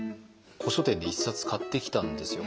古書店で１冊買ってきたんですよ。